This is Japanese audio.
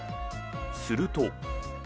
すると。